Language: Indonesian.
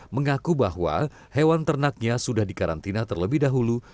mengaku bahwa hewan ternaknya sudah dikarantina terlebih dahulu